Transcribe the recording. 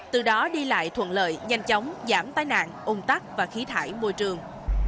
từ đó đi lại thuận lợi nhanh chóng giảm tai nạn ung tắc và khí thải môi trường